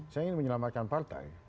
saya ingin menyelamatkan partai